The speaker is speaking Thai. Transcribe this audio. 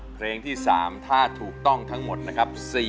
เพลงที่๓ถ้าถูกต้องทั้งหมดนะครับ